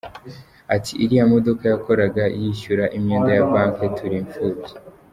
Ati “Iriya modoka yakoraga yishyura imyenda ya banki, turi imfubyi.